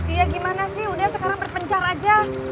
iya gimana sih udah sekarang berpencar aja